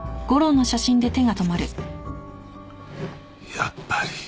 やっぱり。